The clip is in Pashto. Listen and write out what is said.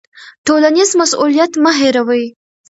ټولنیز مسوولیت مه هیروئ.